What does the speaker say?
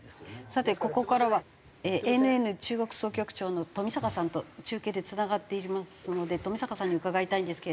さてここからはＡＮＮ中国総局長の冨坂さんと中継でつながっていますので冨坂さんに伺いたいんですけれども。